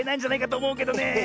おもうけどねえ。